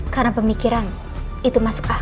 karena pemikiran itu masuk akal